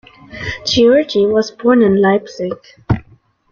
Georgi was born in Leipzig.